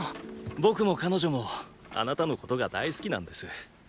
僕も彼女もあなたのことが大好きなんです。？